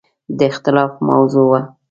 د اختلاف موضوع وه.